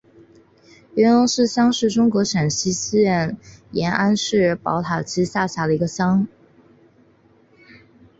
元龙寺乡是中国陕西省延安市宝塔区下辖的一个乡。